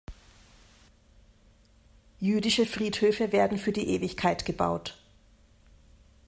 Jüdische Friedhöfe werden für die Ewigkeit gebaut.